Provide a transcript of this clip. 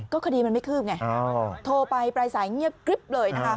คดีมันไม่คืบไงโทรไปปลายสายเงียบกริ๊บเลยนะคะ